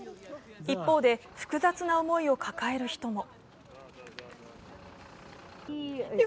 一方で複雑な思いを抱える人も。